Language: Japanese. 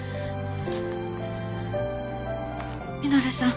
稔さん